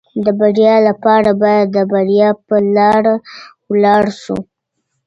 د بریا لپاره باید د بریا په لاره ولاړ شو.